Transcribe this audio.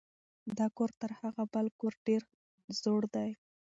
دا کور تر هغه بل کور ډېر زوړ دی.